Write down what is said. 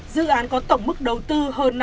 dự án có tổng mức đầu tư